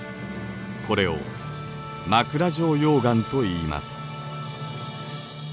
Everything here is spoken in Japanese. これを枕状溶岩といいます。